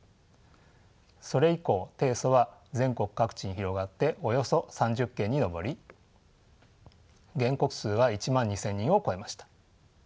それ以降提訴は全国各地に広がっておよそ３０件に上り原告数は１万２，０００人を超えました。